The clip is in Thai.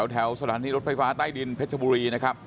แถวสถานีรถไฟฟ้าใต้ดินเพชรบุรีนะครับ